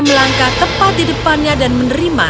melangkah tepat di depannya dan menerima